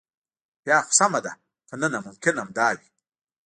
بیا خو سمه ده کنه ناممکن همدا وي.